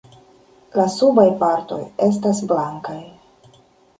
La subaj partoj estas blankaj.